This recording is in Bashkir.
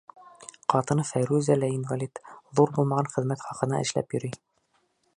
Ҡатыны Фәйрүзә лә инвалид, ҙур булмаған хеҙмәт хаҡына эшләп йөрөй.